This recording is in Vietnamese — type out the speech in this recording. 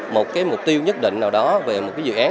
một cái mục tiêu nhất định nào đó về một cái dự án